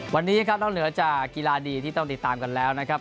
วันนี้ครับนอกเหนือจากกีฬาดีที่ต้องติดตามกันแล้วนะครับ